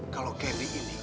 kalau candy ini